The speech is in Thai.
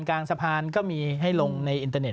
กลางสะพานก็มีให้ลงในอินเตอร์เน็